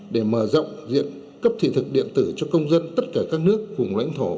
để mở rộng diện cấp thị thực điện tử cho công dân tất cả các nước vùng lãnh thổ